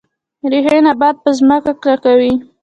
ریښې نبات په ځمکه کلکوي